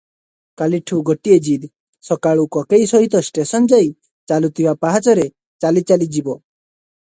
କାଲିଠୁ ଗୋଟିଏ ଜିଦ, ସକାଳୁ କକେଇ ସହିତ ଷ୍ଟେସନ ଯାଇ ଚାଲୁଥିବା ପାହାଚରେ ଚାଲି ଚାଲି ଯିବ